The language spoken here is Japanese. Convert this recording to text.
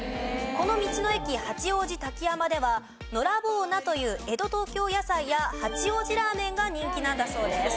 この道の駅八王子滝山ではのらぼう菜という江戸東京野菜や八王子ラーメンが人気なんだそうです。